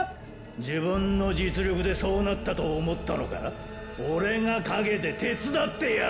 自分の実力でそうなったと思ったのか⁉オレが陰で手伝ってやってたんだッ！